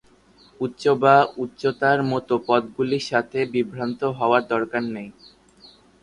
উচ্চতা বা উচ্চতার মতো পদগুলির সাথে বিভ্রান্ত হওয়ার দরকার নেই।